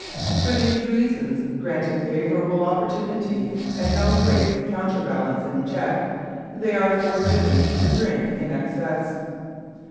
For these reasons, granting favorable opportunity and no great counterbalancing check, they are foredoomed to drink to excess.